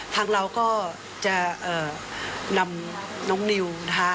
ทางเราก็จะนำน้องนิวนะคะ